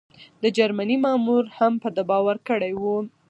د جرمني مامور هم په ده باور کړی و.